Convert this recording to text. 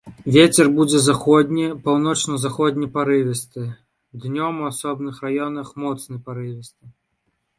Вецер будзе заходні, паўночна-заходні парывісты, днём у асобных раёнах моцны парывісты.